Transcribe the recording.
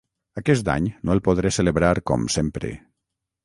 Aquest any no el podré celebrar com sempre.